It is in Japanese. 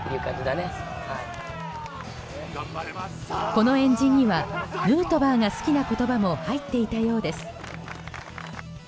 この円陣にはヌートバーが好きな言葉も入っていたようです。